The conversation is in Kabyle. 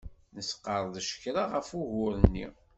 Nesqerdec kra ɣef ugur-nni.